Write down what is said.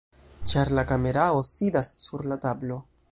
ĉar la kamerao sidas sur la tablo